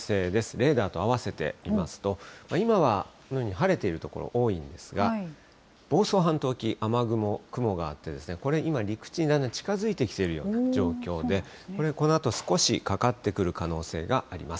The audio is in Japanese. レーダーと合わせて見ますと、今はこのように晴れている所、多いんですが、房総半島沖、雨雲、雲があって、これ、今、陸地にだんだん近づいてきているような状況で、これ、このあと少しかかってくる可能性があります。